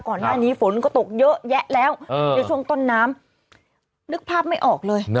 ก่อนหน้านี้ฝนก็ตกเยอะแยะแล้วในช่วงต้นน้ำนึกภาพไม่ออกเลย